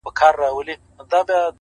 بيا چي يخ سمال پټيو څخه راسي ـ